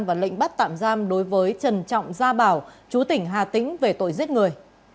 và lệnh bắt tạm giam đối với trần trọng gia bảo chú tỉnh hà tĩnh về tội giết người